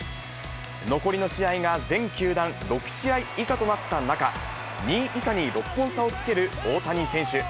残りの試合が全球団６試合以下となった中、２位以下に６本差をつける大谷選手。